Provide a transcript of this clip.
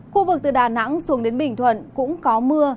khu vực từ đà nẵng xuống đến bình thuận cũng có mưa